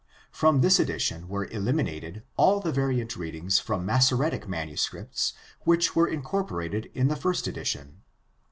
From this edition were eliminated all the variant readings from Massoretic manuscripts which were incorporated in the first edition.